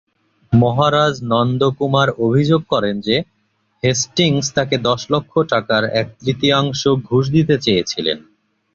মহারাজ নন্দকুমার অভিযোগ করেন যে, হেস্টিংস তাকে দশ লক্ষ টাকার এক-তৃতীয়াংশ ঘুষ দিতে চেয়েছিলেন।